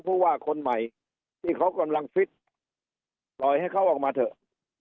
ผู้ว่าคนใหม่ที่เขากำลังฟิตปล่อยให้เขาออกมาเถอะ